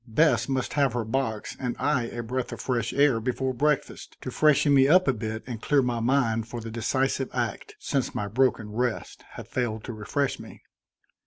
Bess must have her box and I a breath of fresh air before breakfast, to freshen me up a bit and clear my mind for the decisive act, since my broken rest had failed to refresh me.